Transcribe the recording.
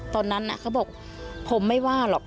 ตอนนั้นเขาบอกผมไม่ว่าหรอก